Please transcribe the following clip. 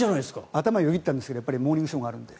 頭をよぎったんですけど「モーニングショー」があるので。